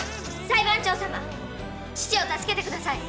裁判長様父を助けてください！